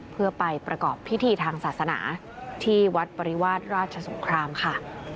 เพื่อไปประกอบพิธีทางศาสนาที่วัดปริวาสราชสงครามค่ะ